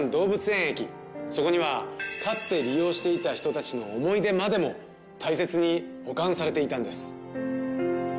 そこにはかつて利用していた人たちの思い出までも大切に保管されていたんです。